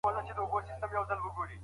املا د ذهن تمرین دی.